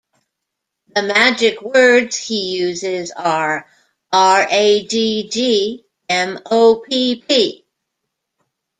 The "magic words" he uses are "R-A-G-G M-O-P-P".